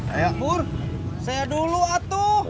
ayak pur saya dulu atuh